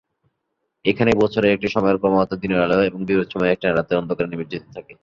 এখানে বছরের একটি সময়ে ক্রমাগত দিনের আলো, এবং বিপরীত সময়ে একটানা রাতের অন্ধকারে নিমজ্জিত থাকে।